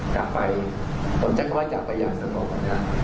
กลับไปคนจะก็จะกลับไปอย่างสมมุตินะ